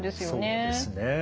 そうですね。